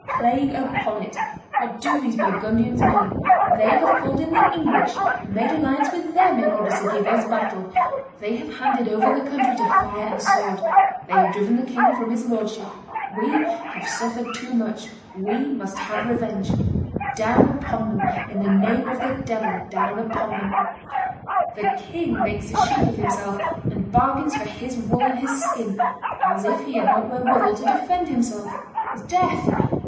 Plague upon it! what do these Burgundians mean? They have called in the English and made alliance with them in order to give us battle; they have handed over the country to fire and sword; they have driven the king from his lordship. We have suffered too much; we must have revenge; down upon them, in the name of the devil, down upon them. The king makes a sheep of himself and bargains for his wool and his skin, as if he had not wherewithal to defend himself. 'Sdeath!